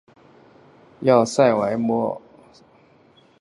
要塞外的莫卧尔大篷车道亦建于这一时期。